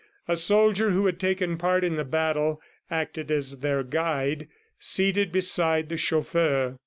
A soldier who had taken part in the battle acted as their guide, seated beside the chauffeur.